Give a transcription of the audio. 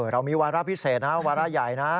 เรามีวาระพิเศษนะวาระใหญ่นะ